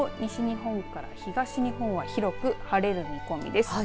このあと夕方の時間も西日本から東日本は広く晴れる見込みです。